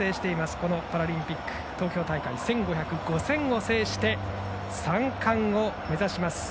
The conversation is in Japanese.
このパラリンピック東京大会１５００、５０００を制して３冠を目指します。